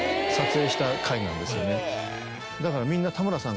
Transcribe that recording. だからみんな。